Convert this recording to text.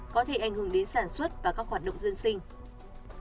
có thể ảnh hưởng đến sản xuất và các hoạt động dân sinh